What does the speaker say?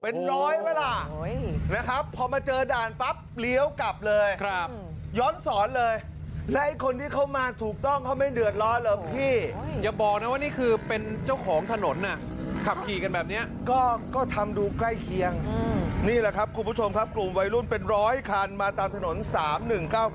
เป็นร้อยไหมล่ะนะครับพอมาเจอด่านปั๊บเลี้ยวกลับเลยครับย้อนสอนเลยและไอ้คนที่เขามาถูกต้องเขาไม่เดือดร้อนเหรอพี่อย่าบอกนะว่านี่คือเป็นเจ้าของถนนน่ะขับขี่กันแบบนี้ก็ก็ทำดูใกล้เคียงนี่แหละครับคุณผู้ชมครับกลุ่มวัยรุ่นเป็นร้อยคันมาตามถนนสามหนึ่งเก้าเก้า